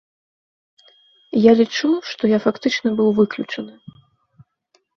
Я лічу, што я фактычна быў выключаны.